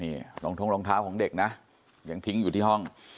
นี่รองท้องรองเท้าของเด็กนะยังทิ้งอยู่ที่ห้อง